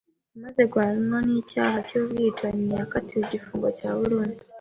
Amaze guhamwa n'icyaha cy'ubwicanyi, yakatiwe igifungo cya burundu.